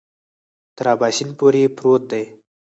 تر اباسین پورې پروت دی.